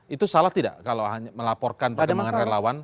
itu salah tidak kalau melaporkan perkembangan relawan